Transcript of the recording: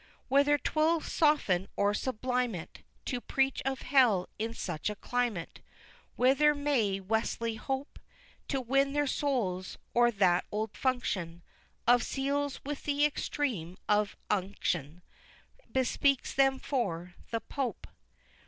XXIX. Whether 'twill soften or sublime it To preach of Hell in such a climate Whether may Wesley hope To win their souls or that old function Of seals with the extreme of unction Bespeaks them for the Pope?